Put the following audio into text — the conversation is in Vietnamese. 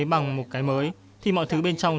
bằng một cái mới thì mọi thứ bên trong